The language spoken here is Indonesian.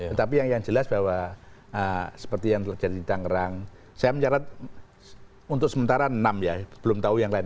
tetapi yang jelas bahwa seperti yang terjadi di tangerang saya mencatat untuk sementara enam ya belum tahu yang lain